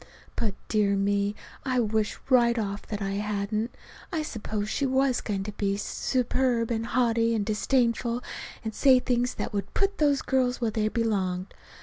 But, dear me, I wished right off that I hadn't. I supposed she was going to be superb and haughty and disdainful, and say things that would put those girls where they belonged.